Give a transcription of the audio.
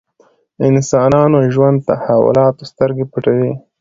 انسانانو ژوند تحولاتو سترګې پټوي.